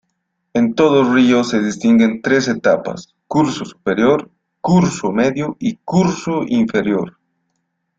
En todo río se distinguen tres etapas: Curso superior, curso medio y curso inferior.